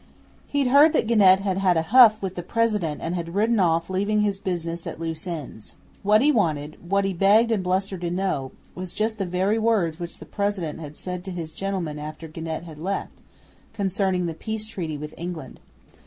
He'd heard that Genet had had a huff with the President and had ridden off leaving his business at loose ends. What he wanted what he begged and blustered to know was just the very words which the President had said to his gentlemen after Genet had left, concerning the peace treaty with England.